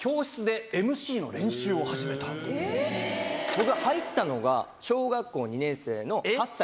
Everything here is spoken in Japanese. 僕入ったのが小学校２年生の８歳なんですよ。